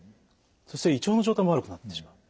そして胃腸の状態も悪くなってしまう。